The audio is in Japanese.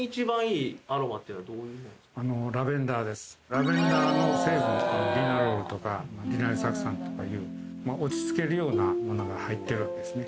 ラベンダーの成分はリナロールとかリナリル酢酸とかいう落ち着けるようなものが入っているんですね